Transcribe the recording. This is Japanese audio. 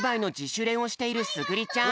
しゅれんをしているすぐりちゃん。